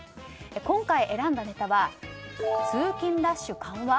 今回選んだネタは通勤ラッシュ緩和？